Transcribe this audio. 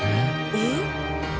えっ？